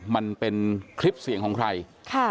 มันเป็นคลิปเสียงของใคร